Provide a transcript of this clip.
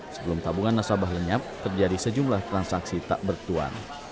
sebelum tabungan nasabah lenyap terjadi sejumlah transaksi tak bertuan